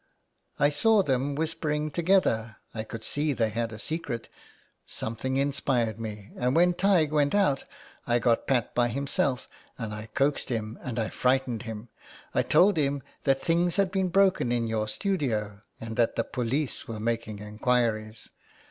" I saw them whispering together. I could see 23 IN THE CLAY. they had a secret ; something inspired me, and when Taigdh went out I got Pat by himself and I coaxed him and I frightened him. I told him that things had been broken in your studio, and that the police were making inquiries.